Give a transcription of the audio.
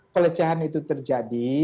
pelecehan itu terjadi